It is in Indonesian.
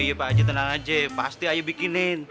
iya pak aja tenang aja pasti ayo bikinin